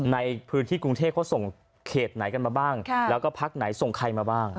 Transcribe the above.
ในพื้นที่กรุงเทพเขาส่งเขตไหนกันมาบ้างแล้วก็พักไหนส่งใครมาบ้าง